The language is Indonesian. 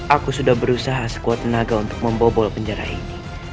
aku sudah berusaha sekuat tenaga untuk membobol penjara ini